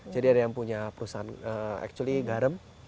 jadi ada yang punya perusahaan actually garem